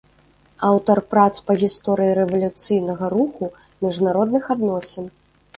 Аўтар прац па гісторыі рэвалюцыйнага руху, міжнародных адносін.